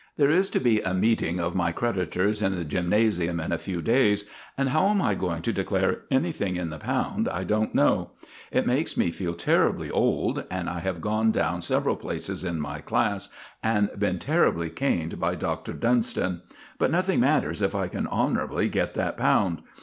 There is to be a meeting of my creditors in the gymnasium in a few days, and how I am going to declare anything in the pound I don't know. It makes me feel terribly old, and I have gone down several places in my class and been terribly caned by Dr. Dunstan. But nothing matters if I can honourably get that pound.